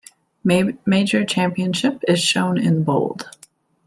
Major championship is shown in bold.